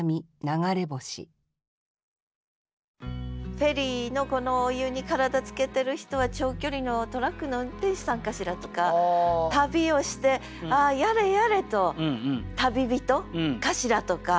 フェリーのこのお湯に体つけてる人は長距離のトラックの運転手さんかしら？とか旅をして「あやれやれ」と旅人かしら？とか。